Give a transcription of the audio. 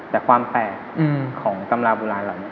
แต่ความแปลของตำราบุญราศอื่น